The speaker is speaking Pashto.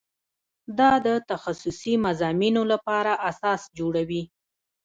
دا د تخصصي مضامینو لپاره اساس جوړوي.